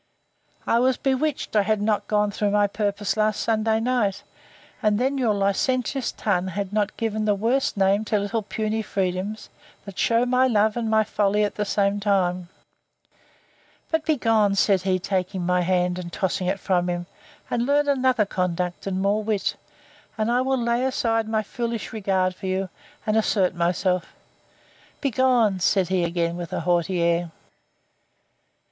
—I was bewitched I had not gone through my purpose last Sunday night; and then your licentious tongue had not given the worst name to little puny freedoms, that shew my love and my folly at the same time. But, begone! said he, taking my hand, and tossing it from him, and learn another conduct and more wit; and I will lay aside my foolish regard for you, and assert myself. Begone! said he, again, with a haughty air.